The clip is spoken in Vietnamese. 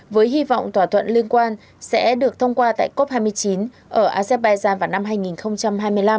với hy vọng thỏa thuận liên quan sẽ được thông qua tại cop hai mươi chín ở azerbaijan vào năm hai nghìn hai mươi năm